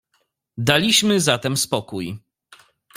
"Daliśmy zatem spokój."